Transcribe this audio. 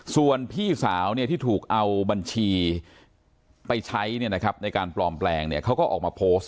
ส่วนพี่สาวที่ถูกเอาบัญชีไปใช้ในการปลอมแปลงเขาก็ออกมาโพสต์